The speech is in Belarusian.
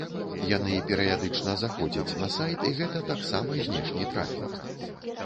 Яны перыядычна заходзяць на сайт і гэта таксама знешні трафік.